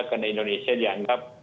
karena indonesia dianggap